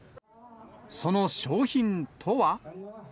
その商品とは。